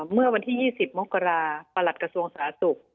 เมื่อวันที่๒๐มกราศาสตร์ประหลักกระทรวงสาธุกษ์